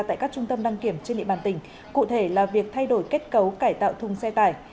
tại các trung tâm đăng kiểm trên địa bàn tỉnh cụ thể là việc thay đổi kết cấu cải tạo thùng xe tải